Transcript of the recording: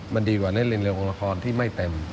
มันดีกว่าเล่นเร็วของละครที่ไม่เต็ม